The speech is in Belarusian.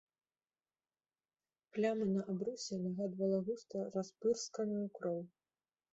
Пляма на абрусе нагадвала густа распырсканую кроў.